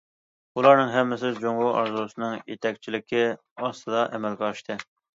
بۇلارنىڭ ھەممىسى جۇڭگو ئارزۇسىنىڭ يېتەكچىلىكى ئاستىدا ئەمەلگە ئاشتى.